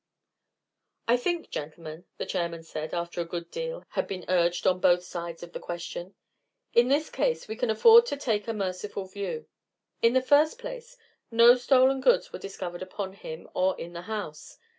"I think, gentlemen," the chairman said, after a good deal had been urged on both sides of the question, "in this case we can afford to take a merciful view. In the first place, no stolen goods were discovered upon him or in the house.